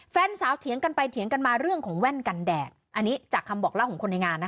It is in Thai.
แฟนสาวเถียงกันไปเถียงกันมาเรื่องของแว่นกันแดดอันนี้จากคำบอกเล่าของคนในงานนะคะ